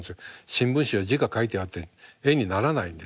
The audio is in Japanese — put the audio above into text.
新聞紙は字が書いてあって絵にならないんですよね。